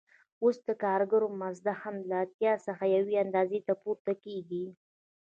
اوس د کارګر مزد هم له اتیا څخه یوې اندازې ته پورته کېږي